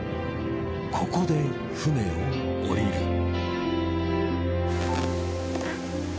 ここで船を下りる。